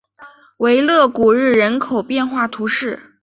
维勒古日人口变化图示